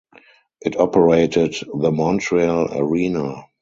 It operated the Montreal Arena.